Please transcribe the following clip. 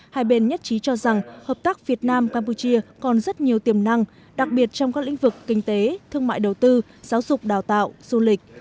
hai bên nhất trí cho rằng hợp tác việt nam campuchia còn rất nhiều tiềm năng đặc biệt trong các lĩnh vực kinh tế thương mại đầu tư giáo dục đào tạo du lịch